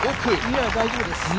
いや、大丈夫です。